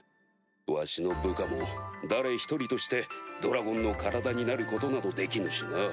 わしの部下も誰一人としてドラゴンの体になることなどできぬしな。